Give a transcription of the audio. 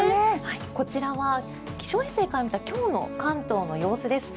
こちらは気象衛星から見た今日の関東の様子です。